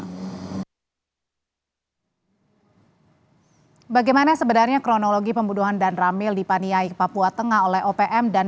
hai bagaimana sebenarnya kronologi pembunuhan dan ramil di paniaik papua tengah oleh opm dan